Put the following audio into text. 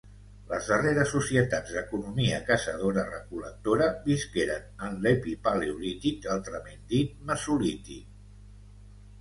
Les darreres societats d'economia caçadora recol·lectora visqueren en l'epipaleolític altrament dit mesolític.